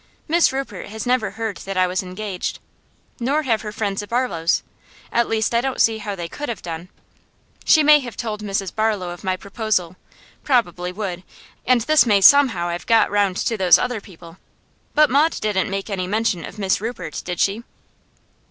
Miss Rupert has never heard that I was engaged, nor have her friends the Barlows at least I don't see how they could have done. She may have told Mrs Barlow of my proposal probably would; and this may somehow have got round to those other people. But Maud didn't make any mention of Miss Rupert, did she?